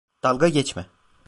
Dalga geçme.